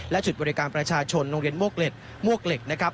และจุดบริการประชาชนโรงเรียนมวกเหล็กมวกเหล็กนะครับ